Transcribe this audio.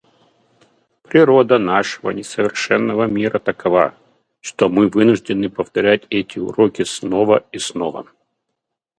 Природа нашего несовершенного мира такова, что мы вынуждены повторять эти уроки снова и снова.